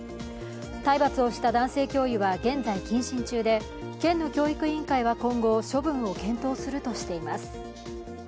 体罰をした男性教諭は現在謹慎中で県の教育委員会は今後処分を検討するとしています。